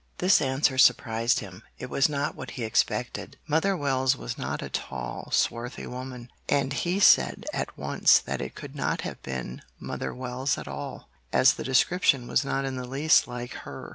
This answer surprised him; it was not what he expected. Mother Wells was not a tall, swarthy woman, and he said at once that it could not have been Mother Wells at all, as the description was not in the least like her.